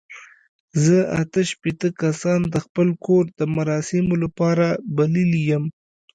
زه اته شپېته کسان د خپل کور د مراسمو لپاره بللي یم.